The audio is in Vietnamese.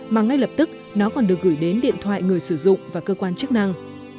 mà ngay lập tức nó còn được gửi đến điện thoại người sử dụng và cơ quan chức năng